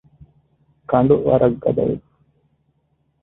ކަނޑުވަރަށް ގަދަ ވެއްޖެ